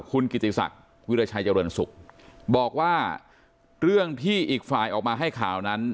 คุณกิติศักดิ์วิราชัยเจริญสุขบอกว่าเรื่องที่อีกฝ่ายออกมาให้ข่าวนั้น